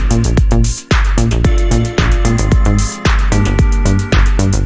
วิบัติว่ามีเวลาที่ดุนชนะ